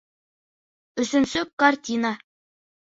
Өсөнсө картина